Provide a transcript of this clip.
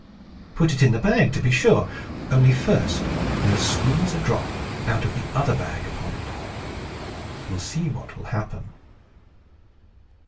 "Put it in the bag, to be sure. Only, first, you must squeeze a drop out of the other bag upon it. You will see what will happen."